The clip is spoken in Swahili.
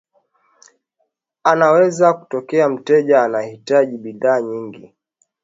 Anaweza akatokea mteja anayehitaji bidhaa nyingi